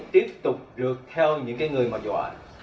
tiếp tục rượt theo những người mà dọa